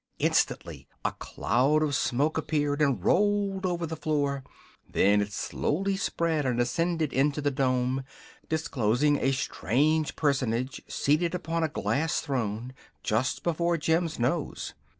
Instantly a cloud of smoke appeared and rolled over the floor; then it slowly spread and ascended into the dome, disclosing a strange personage seated upon a glass throne just before Jim's nose.